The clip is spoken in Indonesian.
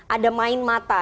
ada main mata